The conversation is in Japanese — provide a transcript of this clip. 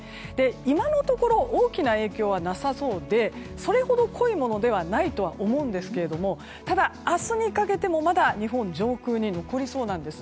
今のところ大きな影響はなさそうでそれほど濃いものではないと思うんですけどもただ明日にかけても、まだ日本上空に残りそうなんです。